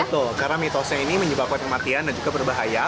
betul karena mitosnya ini menyebabkan kematian dan juga berbahaya